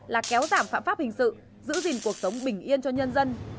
là kéo giảm phạm pháp hình sự giữ gìn cuộc sống bình yên cho nhân dân